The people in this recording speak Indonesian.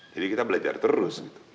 jadi kita belajar terus gitu